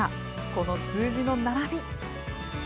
この数字の並び。